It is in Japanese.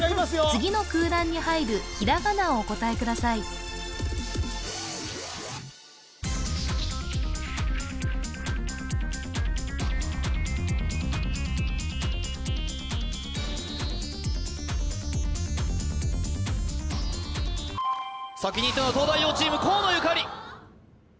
次の空欄に入るひらがなをお答えください先にいったのは東大王チーム河野ゆかり